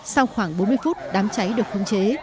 sau khoảng bốn mươi phút đám cháy được khống chế